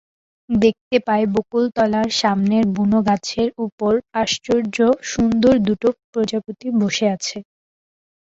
দেখতে পায়, বকুলতলার সামনের বুনোগাছের ওপর আশ্চর্য সুন্দর দুটো প্রজাপতি বসে আছে।